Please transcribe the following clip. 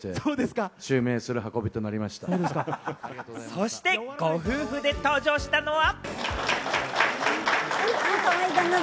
そして、ご夫婦で登場したのは。